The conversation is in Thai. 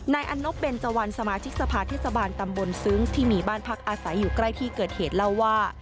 อันนบเบนเจวันสมาชิกสภาเทศบาลตำบลซึ้งที่มีบ้านพักอาศัยอยู่ใกล้ที่เกิดเหตุเล่าว่า